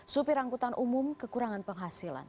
supir angkutan umum kekurangan penghasilan